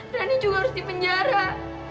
rani juga harus di penjara